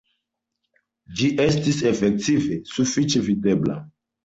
Ĝi estis efektive sufiĉe videbla.